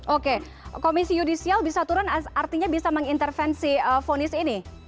oke komisi yudisial bisa turun artinya bisa mengintervensi fonis ini